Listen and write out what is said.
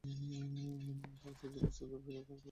তাই অশ্রুসজল চোখে তারা ফিরে গেল।